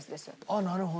ああなるほど。